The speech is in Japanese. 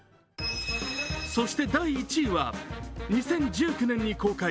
そして第１位は、２０１９年に公開。